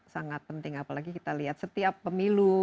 sangat penting apalagi kita lihat setiap pemilu